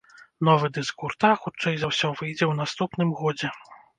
Новы дыск гурта, хутчэй за ўсё, выйдзе ў наступным годзе.